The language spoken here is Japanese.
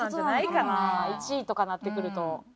１位とかなってくると。